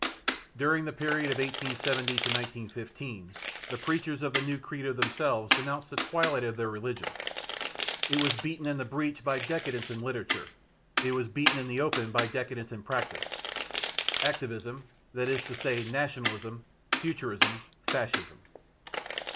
During the period of 1870 1915 the preachers of the new Credo themselves denounced the twilight of their religion; it was beaten in the breach by decadence in literature. It was beaten in the open by decadence in practice. Activism: that is to say, nationalism, futurism. Fascism.